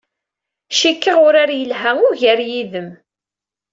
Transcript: Cikkeɣ urar yelha ugar yid-m.